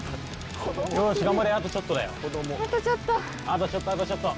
あとちょっと！